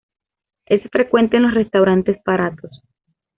Es frecuente en los restaurantes baratos.